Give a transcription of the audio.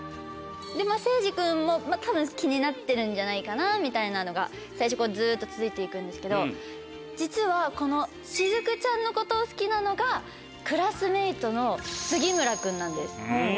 でも聖司君も多分気になってるんじゃないかなみたいなのが最初ずっと続いて行くんですけど実はこの雫ちゃんのことを好きなのがクラスメートの杉村君なんです。